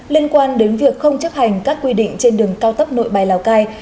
liên quan đến việc không chấp hành các quy định trên đường cao tốc nội bài lào cai